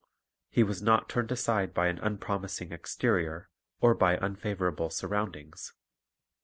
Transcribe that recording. He was not turned aside by an unpromising exterior or by unfavorable surroundings.